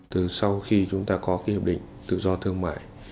từ sau khi chúng ta có hợp định tự do thương mại